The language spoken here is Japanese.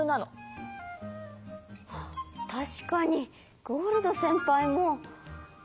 あったしかにゴールドせんぱいも。